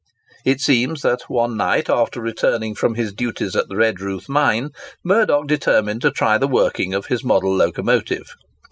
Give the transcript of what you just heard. It seems that one night after returning from his duties at the Redruth mine, Murdock determined to try the working of his model locomotive.